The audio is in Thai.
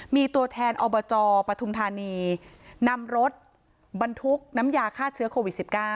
มีตัวแทนอบจปฐุมธานีนำรถบรรทุกน้ำยาฆ่าเชื้อโควิด๑๙